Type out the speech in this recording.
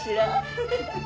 フフフフ。